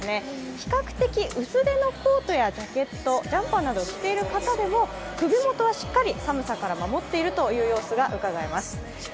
比較的薄手のコートやジャケットジャンパーなどを着ている人でも首元はしっかり寒さから守っている姿がうかがえます。